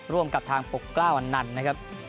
ร่วมกับทางปกกล้าอันนันต์นะครับ